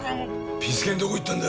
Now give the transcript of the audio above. ピス健どこ行ったんだ。